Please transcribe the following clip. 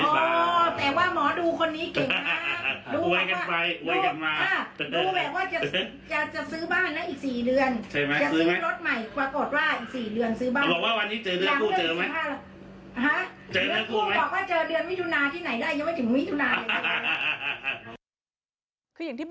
อ๋อแต่ว่าหมอดูคนนี้เก่ง